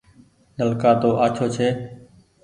نلڪآ تو آڇو ڇي ۔